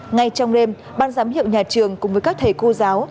ngay trong đêm ban giám hiệu nhà trường cùng với các thầy cô giáo